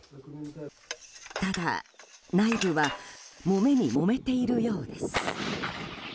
ただ、内部はもめにもめているようです。